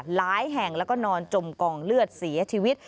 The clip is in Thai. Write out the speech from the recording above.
หลายแห่งแล้วก็นอนจมกองเลือดเสียชีวิต